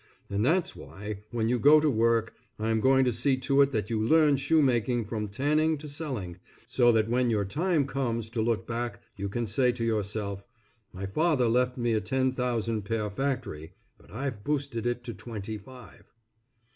And that's why, when you go to work, I'm going to see to it that you learn shoemaking from tanning to selling, so that when your time comes to look back you can say to yourself, "My father left me a ten thousand pair factory, but I've boosted it to twenty five."